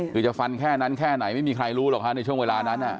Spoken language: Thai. คือจะฟันแค่นั้นแค่ไหนไม่มีใครรู้หรอกฮะในช่วงเวลานั้น